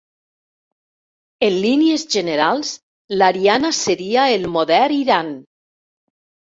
En línies generals l'Ariana seria el modern Iran.